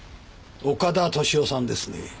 岡田寿夫さんですね？